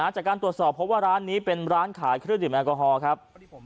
จากการตรวจสอบเพราะว่าร้านนี้เป็นร้านขายเครื่องดื่มแอลกอฮอล์ครับ